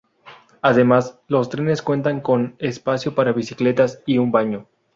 Además, los trenes cuentan con espacio para bicicletas y un baño.